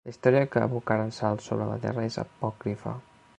La història que abocaren sal sobre la terra és apòcrifa.